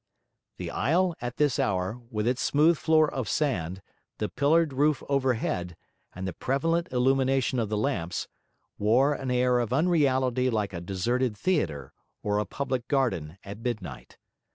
The isle, at this hour, with its smooth floor of sand, the pillared roof overhead, and the prevalent illumination of the lamps, wore an air of unreality like a deserted theatre or a public garden at midnight.